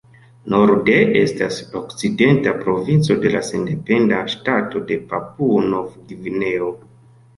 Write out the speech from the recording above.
Norde estas la Okcidenta Provinco de la sendependa ŝtato de Papuo-Nov-Gvineo.